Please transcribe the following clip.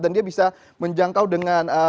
dan dia bisa menjangkau dengan